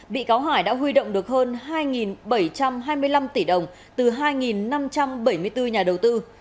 bị cáo hải đã huy động được hơn hai bảy trăm hai mươi năm tỷ đồng từ hai năm trăm bảy mươi bốn nhà đầu tư